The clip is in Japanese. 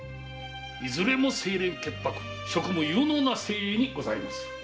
いずれも清廉潔白職務有能な精鋭にございます。